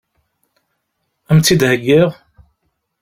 Ad m-tt-id-heggiɣ?